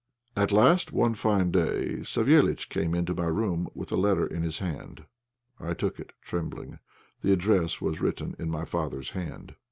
At last, one fine day, Savéliitch came into my room with a letter in his hand. I took it trembling. The address was written in my father's hand.